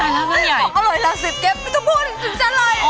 อร่อยแล้วสิบเก็บไม่ต้องพูด